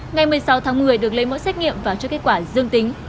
ngày một mươi sáu tháng một mươi được lấy mẫu xét nghiệm và cho kết quả dương tính